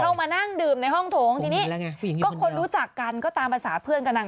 มานั่งดื่มในห้องโถงทีนี้ก็คนรู้จักกันก็ตามภาษาเพื่อนกับนาง